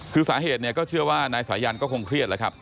คือสาเหตุเนี่ยก็เชื่อว่านายสายันก็คงเครียดแล้วครับ